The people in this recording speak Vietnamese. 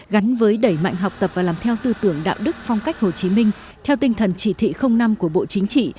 gắn với đẩy mạnh học tập và làm theo tư tưởng đạo đức phong cách hồ chí minh theo tinh thần chỉ thị năm của bộ chính trị